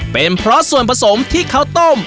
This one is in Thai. เป็นเพราะส่วนผสมที่เขาต้ม